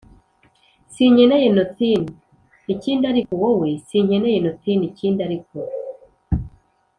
sinkeneye nothin 'ikindi ariko wowe (sinkeneye nothin' ikindi ariko)